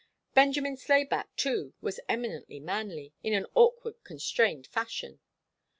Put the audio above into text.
Benjamin Slayback, too, was eminently manly, in an awkward, constrained fashion.